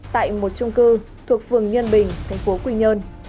tại một trung cư thuộc phường nhân bình thành phố quy nhơn